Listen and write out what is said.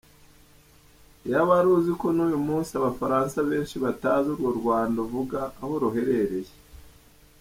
Iyaba wari uziko n’uyu munsi Abafaransa benshi batazi urwo Rwanda uvuga aho ruherereye.